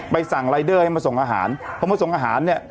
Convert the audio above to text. สั่งรายเดอร์ให้มาส่งอาหารเพราะมาส่งอาหารเนี่ย